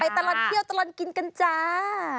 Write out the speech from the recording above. ตลอดเที่ยวตลอดกินกันจ้า